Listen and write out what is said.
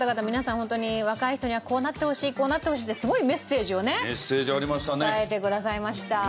ホントに若い人にはこうなってほしいこうなってほしいってすごいメッセージをね伝えてくださいました。